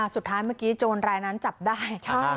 สุดท้ายเมื่อกี้โจรรายนั้นจับได้